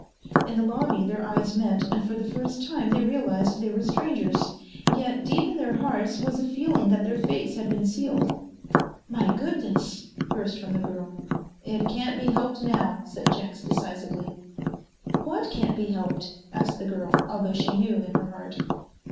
In the lobby their eyes met, and for the first time they realized they were strangers. Yet deep in their hearts was a feeling that their fates had been sealed. "My goodness!" burst from the girl. "It can't be helped now," said Jenks decisively. "What can't be helped?" asked the girl, although she knew in her heart.